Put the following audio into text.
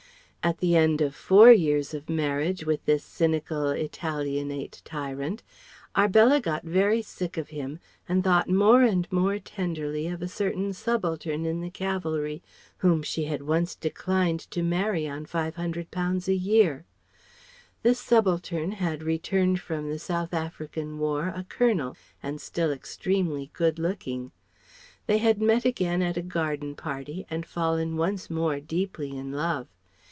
At the end of four years of marriage with this cynical, Italianate tyrant, Arbella got very sick of him and thought more and more tenderly of a certain subaltern in the Cavalry whom she had once declined to marry on £500 a year. This subaltern had returned from the South African war, a Colonel and still extremely good looking. They had met again at a garden party and fallen once more deeply in love.